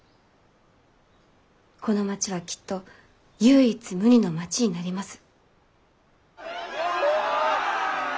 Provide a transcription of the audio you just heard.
この町はきっと唯一無二の町になります。